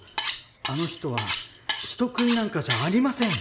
あの人は人食いなんかじゃありません！